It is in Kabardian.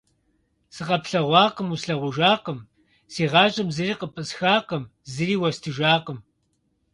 Сыкъэплъэгъуакъым, услъагъужакъым, си гъащӀэм зыри къыпӀысхакъым, зыри уэстыжакъым.